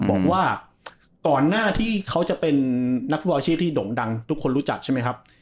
บอกว่าก่อนหน้าที่เขาจะเป็นนักฟุตบอลอาชีพที่ด่งดังทุกคนรู้จักใช่ไหมครับ